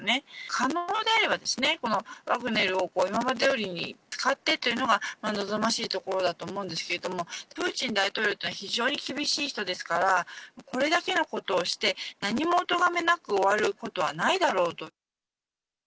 可能であればワグネルを今までどおりに使ってというのが望ましいところだと思うんですけれども、プーチン大統領というのは非常に厳しい人ですから、これだけのことをして、何もおとがめなく終わることはないだろうと。